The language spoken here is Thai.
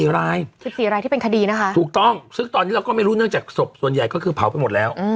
๔ราย๑๔รายที่เป็นคดีนะคะถูกต้องซึ่งตอนนี้เราก็ไม่รู้เนื่องจากศพส่วนใหญ่ก็คือเผาไปหมดแล้ว